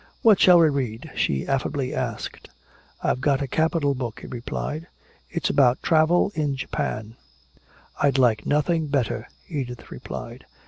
"What shall we read?" she affably asked. "I've got a capital book," he replied. "It's about travel in Japan." "I'd like nothing better," Edith replied.